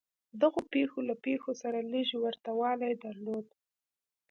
دغو پېښو له پېښو سره لږ ورته والی درلود.